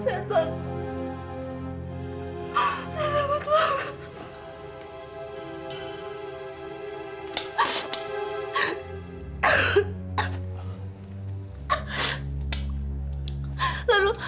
saya takut banget